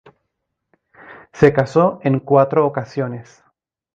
Se casó en cuatro ocasiones.